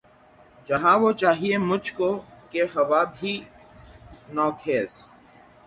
جہاں وہ چاہیئے مجھ کو کہ ہو ابھی نوخیز